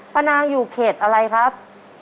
นางอยู่เขตอะไรครับ